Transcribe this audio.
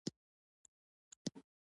بوتل کله نا کله ماتېږي.